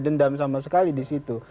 dendam sama sekali di situ